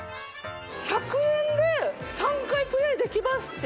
１００円で３回プレーできますって。